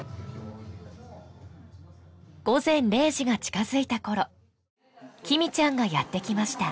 午前０時が近づいたころきみちゃんがやって来ました